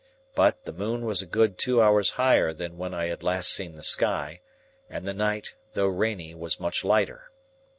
But, the moon was a good two hours higher than when I had last seen the sky, and the night, though rainy, was much lighter.